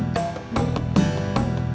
pergi ke tempat kami